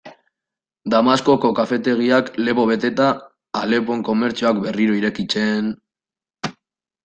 Damaskoko kafetegiak lepo beteta, Alepon komertzioak berriro irekitzen...